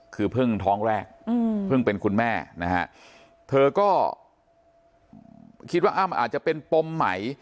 คือเพิ่งท้องแรกเพิ่งเป็นคุณแม่นะฮะเธอก็คิดว่าอ้ำอาจจะเป็นปมใหม่